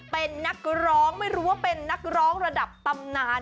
เป็นนักร้องไม่รู้ว่าเป็นนักร้องระดับตำนาน